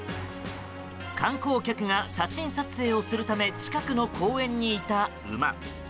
観光客が写真撮影をするため近くの公園にいた馬。